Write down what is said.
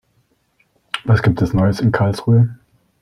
Was gibt es Neues in Karlsruhe?